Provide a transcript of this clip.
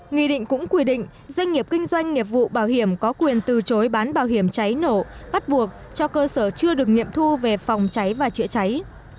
nghị định cũng quy định doanh nghiệp kinh doanh nghiệp vụ bảo hiểm có quyền từ chối bán bảo hiểm cháy nổ bắt buộc cho cơ sở chưa được nghiệm thu về phòng cháy và chữa cháy